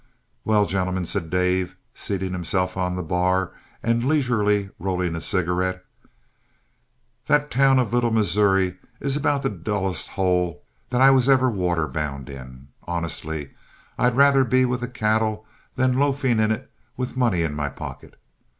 "Well, gentlemen," said Dave, seating himself on the bar and leisurely rolling a cigarette, "that town of Little Missouri is about the dullest hole that I was ever water bound in. Honestly, I'd rather be with the cattle than loafing in it with money in my pocket.